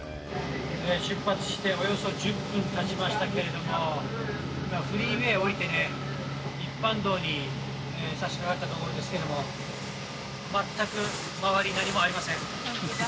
出発しておよそ１０分たちましたけれども、今、フリーウエー降りてね、一般道にさしかかったところですけども、全く周りに何もありません。